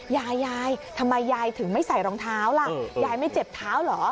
ยายยายทำไมยายถึงไม่ใส่รองเท้าล่ะยายไม่เจ็บเท้าเหรอ